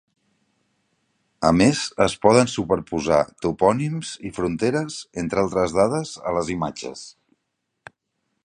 A més es poden superposar topònims i fronteres, entre altres dades, a les imatges.